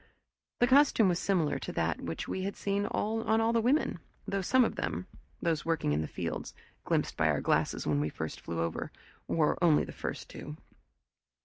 The costume was similar to that which we had seen on all the women, though some of them, those working in the fields, glimpsed by our glasses when we first flew over, wore only the first two.